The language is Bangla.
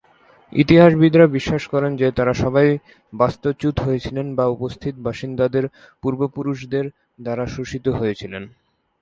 ইতিহাসবিদরা বিশ্বাস করেন যে তারা সবাই বাস্তুচ্যুত হয়েছিলেন বা উপস্থিত বাসিন্দাদের পূর্বপুরুষদের দ্বারা শোষিত হয়েছিলেন।